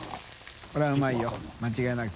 海譴うまいよ間違いなく。